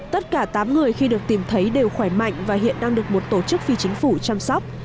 tất cả tám người khi được tìm thấy đều khỏe mạnh và hiện đang được một tổ chức phi chính phủ chăm sóc